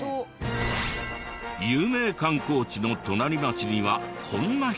有名観光地の隣町にはこんな人も。